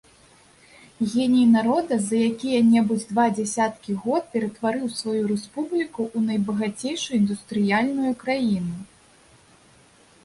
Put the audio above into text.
Геній народа за якія-небудзь два дзесяткі год ператварыў сваю рэспубліку ў найбагацейшую індустрыяльную краіну.